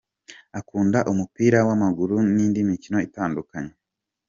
Akunda umupira w’amaguru n’indi mikino itandukanye.